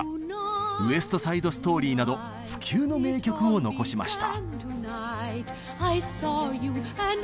「ウエスト・サイド・ストーリー」など不朽の名曲を残しました。